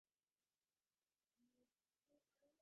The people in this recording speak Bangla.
মন কিন্তু তাহা নহে, বুদ্ধিও নহে।